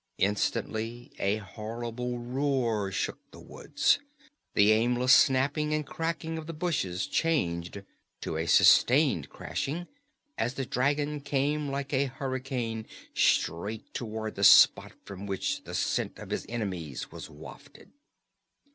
Instantly a horrible roar shook the woods. The aimless snapping and crackling of the bushes changed to a sustained crashing as the dragon came like a hurricane straight toward the spot from which the scent of his enemies was wafted.